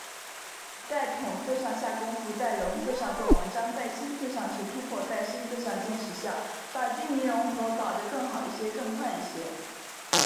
在“统”字上下功夫，在“融”字上做文章，在“新”字上求突破，在“深”字上见实效，把军民融合搞得更好一些、更快一些。